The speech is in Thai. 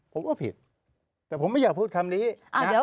ผมก็ผิดแต่ผมไม่อยากพูดคำนี้นะครับ